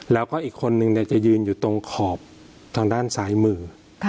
แล้วก็อีกคนนึงจะยืนอยู่ตรงขอบทางด้านซ้ายมือ